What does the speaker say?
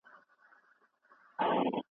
نقيبه! بيا دې په سجده کې په ژړا وينم